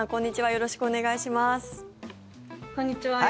よろしくお願いします。